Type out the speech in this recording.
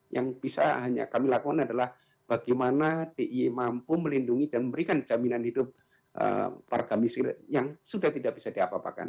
yang bisa hanya kami lakukan adalah bagaimana dia mampu melindungi dan memberikan jaminan hidup para miskin yang sudah tidak bisa diapapakan